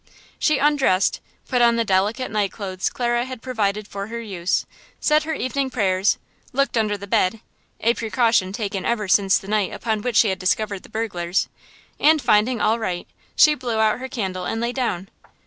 She undressed, put on the delicate nightclothes Clara had provided for her use, said her evening prayers, looked under the bed–a precaution taken ever since the night upon which she had discovered the burglars–and, finding all right, she blew out her candle and lay down.